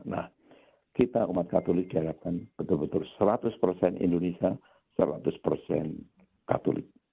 nah kita umat katolik diharapkan betul betul seratus persen indonesia seratus persen katolik